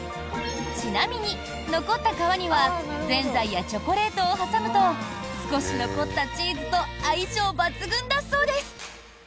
ちなみに、残った皮にはぜんざいやチョコレートを挟むと少し残ったチーズと相性抜群だそうです。